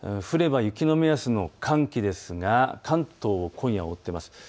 降れば雪の目安の寒気ですが関東、今夜覆っています。